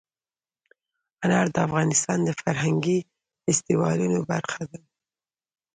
انار د افغانستان د فرهنګي فستیوالونو برخه ده.